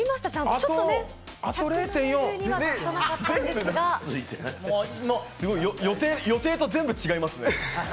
あと０．４予定と全部違いますね。